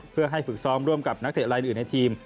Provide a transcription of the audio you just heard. เพื่อให้ฝึกซ้อมร่วมกับนักเตะลายอื่นในทีม